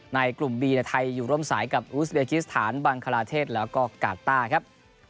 ในกลุ่มบีในไทยอยู่ร่วมสายกับอูสเบคิสถานบังคลาเทศแล้วก็กาต้าครับ